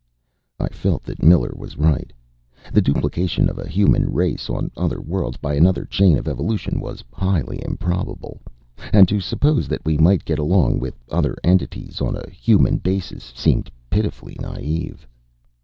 I felt that Miller was right. The duplication of a human race on other worlds by another chain of evolution was highly improbable. And to suppose that we might get along with other entities on a human basis seemed pitifully naive.